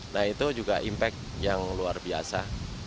nah itu juga impact yang luar biasa